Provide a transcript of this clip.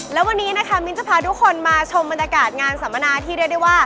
แล้ววันนี้นะคะมิ้นจะพาทุกคนมาชมบรรยากาศงานสัมมนาที่เรียกได้ว่า